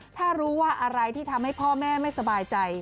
ถ้ารู้ว่าอะไรที่ทำให้พ่อแม่ไม่สบายใจ